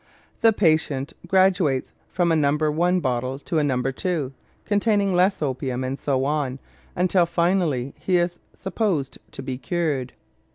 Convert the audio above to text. The patient graduates from a number one bottle to a number two, containing less opium, and so on, until finally he is supposed to be cured.